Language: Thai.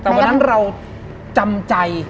แต่วันนั้นเราจำใจ